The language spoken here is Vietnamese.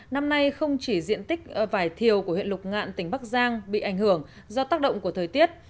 năm nay không chỉ diện tích vải thiều của huyện lục ngạn tỉnh bắc giang bị ảnh hưởng do tác động của thời tiết